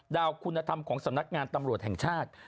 วคุณธรรมของสำนักงานตำรวจแห่งชาติ